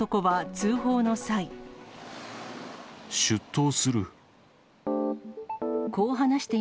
出頭する。